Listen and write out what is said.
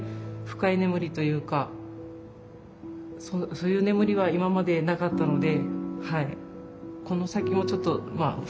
そういう眠りは今までなかったのではい。